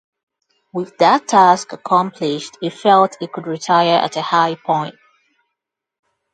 With that task accomplished he felt he could retire at a high point.